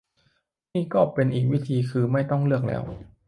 นี่ก็เป็นอีกวิธี คือไม่ต้องเลือกแล้ว